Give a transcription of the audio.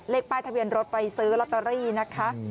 ป้ายทะเบียนรถไปซื้อลอตเตอรี่นะคะ